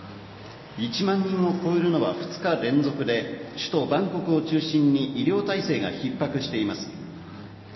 １万人を超えるのは２日連続で首都バンコクを中心に医療体制がひっ迫しています。